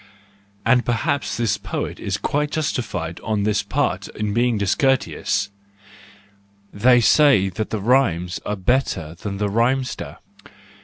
And perhaps this poet is quite justified on his part in being discourteous; they say that the rhymes are better than the rhymester.